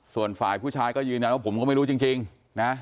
ส่วนฝ่ายผู้ชายก็ยืนยันว่าผมก็ไม่รู้จริงนะ